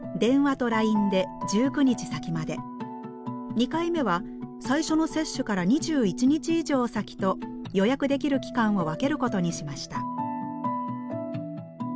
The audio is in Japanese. ２回目は最初の接種から２１日以上先と予約できる期間を分けることにしました。